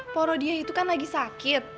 poro dia itu kan lagi sakit